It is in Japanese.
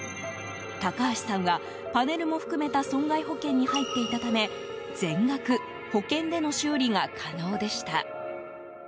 高橋さんは、パネルも含めた損害保険に入っていたため全額、保険での修理が可能でした。